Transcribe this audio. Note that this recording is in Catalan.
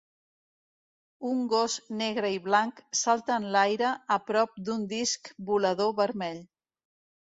Un gos negre i blanc salta en l'aire a prop d'un disc volador vermell.